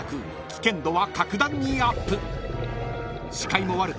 危険度は格段にアップ］